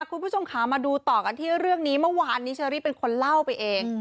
คุณผู้ชมค่ะมาดูต่อกันที่เรื่องนี้เมื่อวานนี้เชอรี่เป็นคนเล่าไปเอง